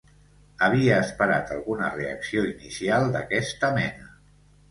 Havia esperat alguna reacció inicial d'aquesta mena.